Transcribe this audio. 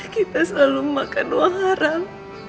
kita selalu makan wah haram